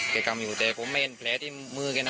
เคยกำอยู่แต่ผมไม่เห็นเพลมที่มืวกันนะ